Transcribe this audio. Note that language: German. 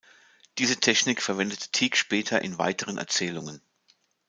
Diese Technik verwendet Tieck später in weiteren Erzählungen.